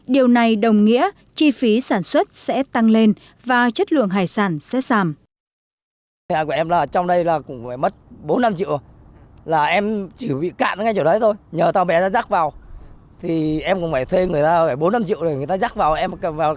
điều này đồng nghĩa chi phí sản xuất sẽ tăng lên và chất lượng hải sản sẽ giảm